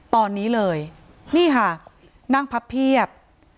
ตอนนี้เลยนี่ค่ะนั่งพับเพียบ